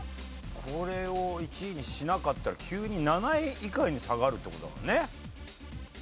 これを１位にしなかったら急に７位以下に下がるって事だもんね。